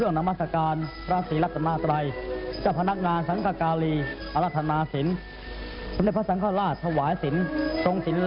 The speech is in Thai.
วันที่๕พฤษภาคม๒๔๙๓เวลา๙นาที